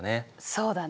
そうだね。